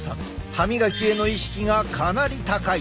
歯みがきへの意識がかなり高い。